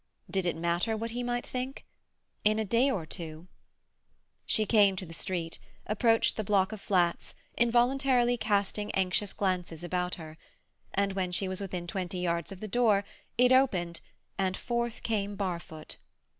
Did it matter what he might think? In a day or two— She came to the street, approached the block of flats, involuntarily casting anxious glances about her. And when she was within twenty yards of the door, it opened, and forth came Barfoot.